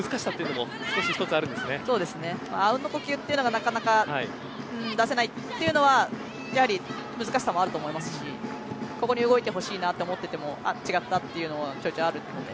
あうんの呼吸というのがなかなか出せないというのはやはり難しさもあると思いますしここで動いてほしいなと思っていても違ったというのはちょいちょいあるので。